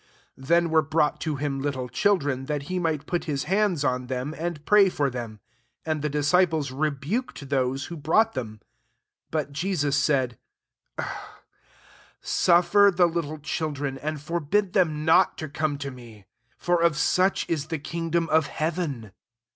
13 Thbn were brought to him little children, that he might put hia hands on them, and prayyor tkem : and the dis ciples rebuked thoa^ ttfho brought them. 14 But Jesus said, Suf fer the little children, and for bid them not, to come to me : for of such is the kingdom of heaven.